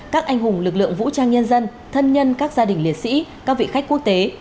các anh hùng lực lượng vũ trang nhân dân thân nhân các gia đình liệt sĩ các vị khách quốc tế